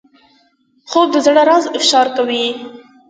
خوب د زړه راز افشا کوي